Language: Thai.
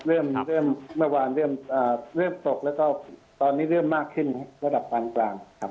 เริ่มเมื่อวานเริ่มตกแล้วก็ตอนนี้เริ่มมากขึ้นระดับกลาง